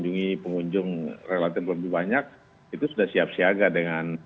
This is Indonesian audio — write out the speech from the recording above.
pengunjung relatif lebih banyak itu sudah siap siaga dengan